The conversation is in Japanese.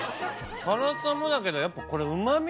辛さもだけどやっぱこれうまみが。